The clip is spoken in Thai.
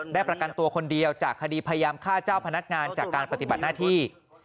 ประกันตัวคนเดียวจากคดีพยายามฆ่าเจ้าพนักงานจากการปฏิบัติหน้าที่